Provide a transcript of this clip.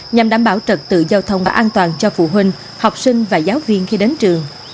nhằm đảm bảo trật tự giao thông và an toàn cho phụ huynh học sinh và giáo viên khi đến trường